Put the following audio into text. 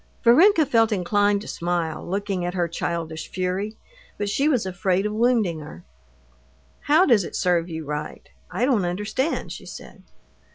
Varenka felt inclined to smile, looking at her childish fury, but she was afraid of wounding her. "How does it serve you right? I don't understand," she said.